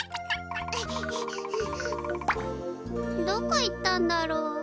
どこ行ったんだろう。